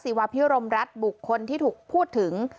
วาพิรมรัฐบุคคลที่ถูกพูดถึง